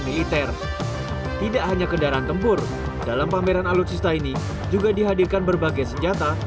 militer tidak hanya kendaraan tempur dalam pameran alutsista ini juga dihadirkan berbagai senjata